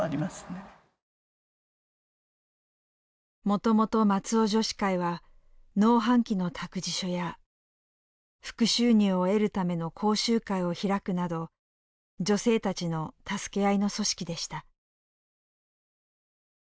もともと松尾女子会は農繁期の託児所や副収入を得るための講習会を開くなど女性たちの助け合いの組織でした。